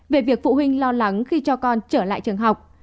về việc phụ huynh lo lắng khi cho con trở lại trường học